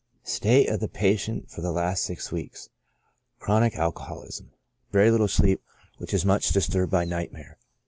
State of the patient for the last six weeks — Chronic alcohol ism. — Very little sleep, which is much disturbed by night mare.